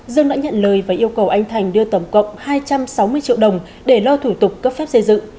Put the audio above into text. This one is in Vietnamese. dương đã nhận lời và yêu cầu anh thành đưa tổng cộng hai trăm sáu mươi triệu đồng để lo thủ tục cấp phép xây dựng